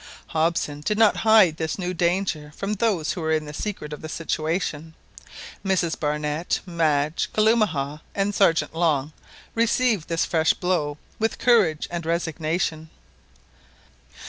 Hobson did not hide this new danger from those who were in the secret of the situation. Mrs Barnett, Madge, Kalumah, and Sergeant Long received this fresh blow with courage and resignation.